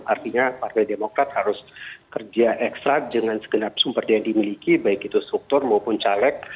artinya partai demokrat harus kerja ekstra dengan segenap sumber yang dimiliki baik itu struktur maupun caleg